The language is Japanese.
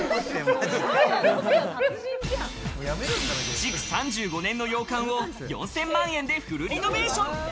築３５年の洋館を４０００万円でフルリノベーション。